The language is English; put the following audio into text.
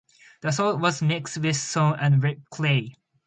The salt was mixed with stone and red clay.